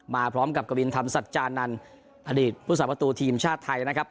มาพร้อมกับกวินธรรมสัจจานันอดีตผู้สาประตูทีมชาติไทยนะครับ